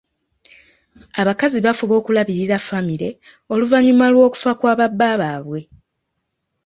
Abakazi bafuba okulabirira famire oluvanyuma lw'okufa kwa ba bba baabwe.